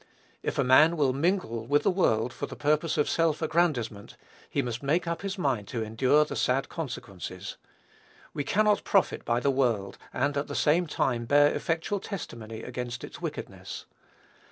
If a man will mingle with the world for the purpose of self aggrandizement, he must make up his mind to endure the sad consequences. We cannot profit by the world, and at the same time bear effectual testimony against its wickedness.